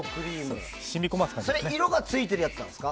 それ、色がついてるやつなんですか？